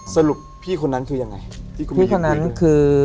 สรุปพี่คนนั้นคือยังไง